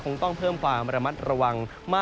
คงต้องเพิ่มความระมัดระวังมาก